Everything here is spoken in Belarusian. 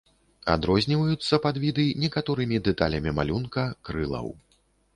Адрозніваюцца падвіды некаторымі дэталямі малюнка крылаў.